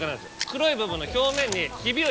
黒い部分の表面にヒビを入れる感じ。